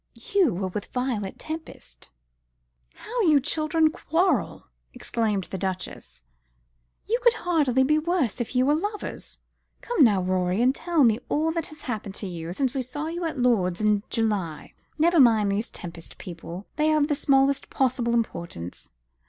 "You were with Violet Tempest." "How you children quarrel!" exclaimed the Duchess; "you could hardly be worse if you were lovers. Come here, Rorie, and tell me all that has happened to you since we saw you at Lord's in July. Never mind these Tempest people. They are of the smallest possible importance.